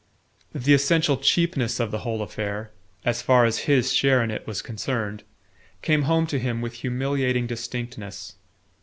The essential cheapness of the whole affair as far as his share in it was concerned came home to him with humiliating distinctness.